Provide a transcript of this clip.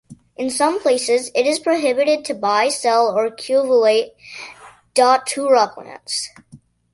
In some places, it is prohibited to buy, sell or cultivate "Datura" plants.